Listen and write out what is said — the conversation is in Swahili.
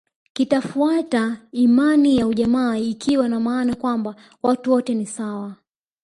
Kitafuata imani ya ujamaa ikiwa na maana kwamba watu wote ni sawa